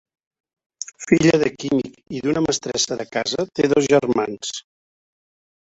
Filla de químic i d'una mestressa de casa, té dos germans.